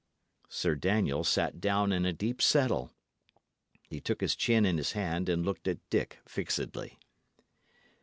Sir Daniel sat down in a deep settle. He took his chin in his hand and looked at Dick fixedly.